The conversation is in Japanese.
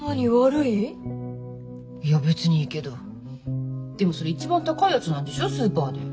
いや別にいいけどでもそれ一番高いやつなんでしょスーパーで。